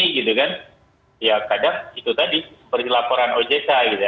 gitu kan ya kadang itu tadi seperti laporan ojca gitu ya